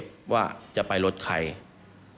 ฟังเสียงอาสามูลละนิทีสยามร่วมใจ